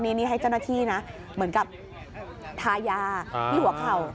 นี่ให้เจ้าหน้าที่นะเหมือนกับทายาที่หัวเข่า